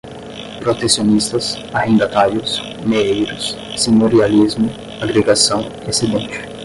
protecionistas, arrendatários, meeiros, senhorialismo, agregação, excedente